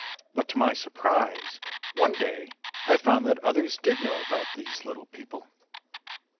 But, to my surprise, one day I found that others did know about these Little People!